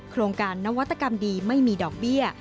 โครงการนวัตกรรมดีไม่มีดอกเบี้ย